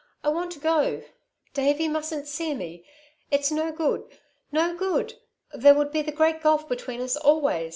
I want to go. Davey mustn't see me. It's no good. No good! There would be the great gulf between us always